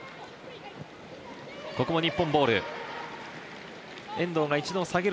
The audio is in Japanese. ここも日本ボール。